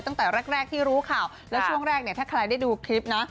ตั้งแต่แรกที่รู้ข่าวแล้วช่วงแรกเนี่ยถ้าใครได้ดูคลิปนะ